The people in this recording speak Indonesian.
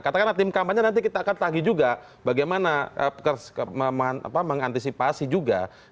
katakanlah tim kampanye nanti kita akan tagih juga bagaimana mengantisipasi juga